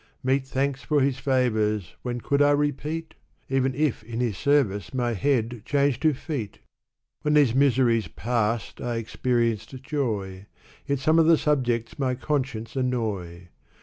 Meet thanks for his favors, when could I repeat? Even if in his service my head changed to feet ! When these miseries past I experienced joy ; Yet some of the subjects my conscience annoy.